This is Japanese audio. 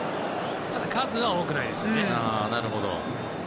ただ、数は多くなかったですね。